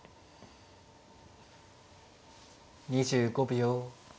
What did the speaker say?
２５秒。